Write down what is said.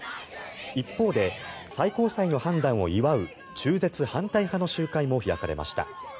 一方で最高裁の判断を祝う中絶反対派の集会も開かれました。